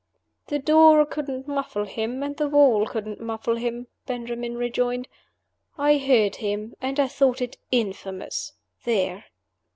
"The door couldn't muffle him, and the wall couldn't muffle him," Benjamin rejoined. "I heard him and I thought it infamous. There!"